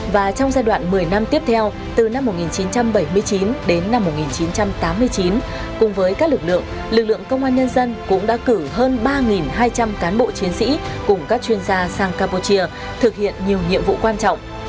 và trong giai đoạn một mươi năm tiếp theo từ năm một nghìn chín trăm bảy mươi chín đến năm một nghìn chín trăm tám mươi chín cùng với các lực lượng lực lượng công an nhân dân cũng đã cử hơn ba hai trăm linh cán bộ chiến sĩ cùng các chuyên gia sang campuchia thực hiện nhiều nhiệm vụ quan trọng